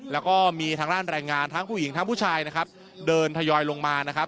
แล้วก็มีทางด้านแรงงานทั้งผู้หญิงทั้งผู้ชายนะครับเดินทยอยลงมานะครับ